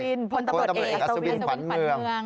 ของคุณอัศวินพลตะบดเอกอัศวินฝันเมือง